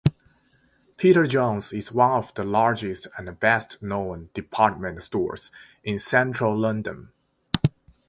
Peter Jones is one of the largest and best-known department stores in central London.